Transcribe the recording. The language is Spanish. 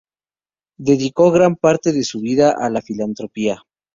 Dedicó gran parte de su vida a la filantropía.